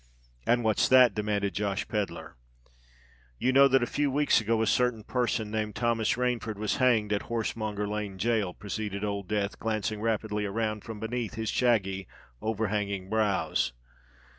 "And what's that?" demanded Josh Pedler. "You know that a few weeks ago a certain person, named Thomas Rainford, was hanged at Horsemonger Lane Gaol," proceeded Old Death, glancing rapidly around from beneath his shaggy, overhanging brows.